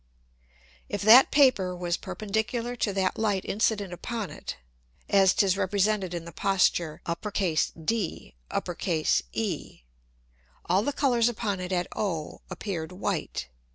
If that Paper was perpendicular to that Light incident upon it, as 'tis represented in the posture DE, all the Colours upon it at O appeared white.